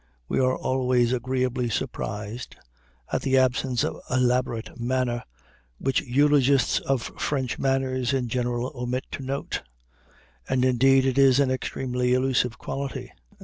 We are always agreeably surprised at the absence of elaborate manner which eulogists of French manners in general omit to note; and indeed it is an extremely elusive quality.